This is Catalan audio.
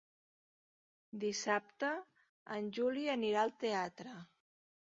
Dissabte en Juli anirà al teatre.